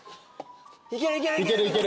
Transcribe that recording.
いけるいける。